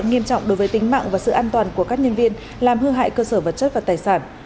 nghiêm trọng đối với tính mạng và sự an toàn của các nhân viên làm hư hại cơ sở vật chất và tài sản